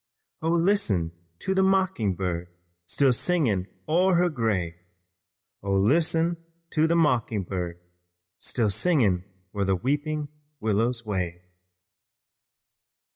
Oh, listen to the mocking bird Still singing o'er her grave. Oh, listen to the mocking bird Still singing where the weeping willows wave."